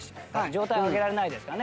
上体を上げられないですからね。